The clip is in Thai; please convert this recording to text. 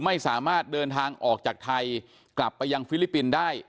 ไม่สามารถเดินทางออกจากไทยกลับไปยังฟิลิปปินส์ได้